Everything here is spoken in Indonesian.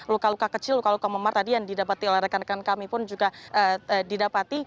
luka luka kecil luka luka memar tadi yang didapati oleh rekan rekan kami pun juga didapati